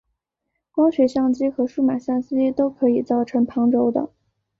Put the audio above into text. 光学相机和数码相机都可以造成旁轴的。